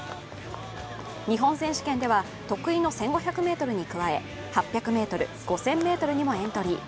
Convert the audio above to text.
日本選手権では特異の１５００ｍに加え８００ｍ、５００ｍにもエントリー。